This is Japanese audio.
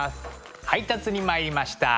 配達に参りました。